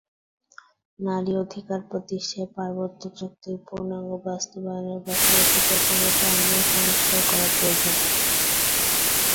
নারী অধিকার প্রতিষ্ঠায় পার্বত্য চুক্তির পূর্ণাঙ্গ বাস্তবায়নের পাশাপাশি প্রথাগত আইনেও সংস্কার করা প্রয়োজন।